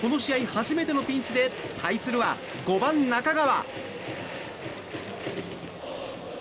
初めてのピンチで対するは５番、中川。